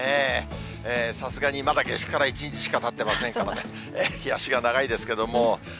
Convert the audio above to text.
さすがにまだ夏至から１日しかたってませんからね、日足が長いですけれども。